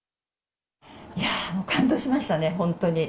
いやー、もう感動しましたね、本当に。